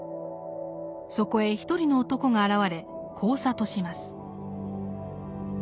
そこへ一人の男が現れこう諭します。